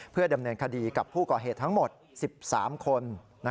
เพื่อดำเนินคดีกับผู้ก่อเหตุทั้งหมด๑๓คน